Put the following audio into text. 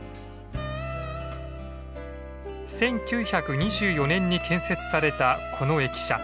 １９２４年に建設されたこの駅舎。